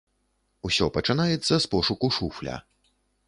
Усё пачынаецца з пошуку шуфля.